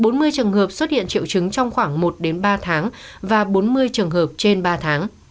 trong bốn mươi trường hợp xuất hiện triệu chứng trong khoảng một đến ba tháng và bốn mươi trường hợp trên ba tháng